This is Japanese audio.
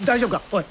おい！